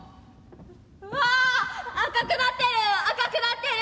「わ赤くなってる赤くなってる。